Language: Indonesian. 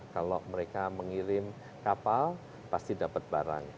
kalau mereka mengirim kapal pasti dapat barang